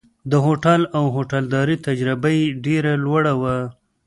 د هوټل او هوټلدارۍ تجربه یې ډېره لوړه وه.